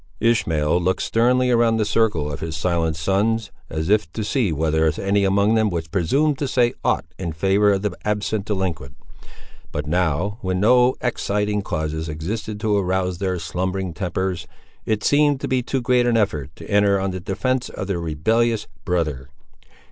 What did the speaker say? Ishmael looked sternly around the circle of his silent sons, as if to see whether any among them would presume to say aught in favour of the absent delinquent. But now, when no exciting causes existed to arouse their slumbering tempers, it seemed to be too great an effort to enter on the defence of their rebellious brother.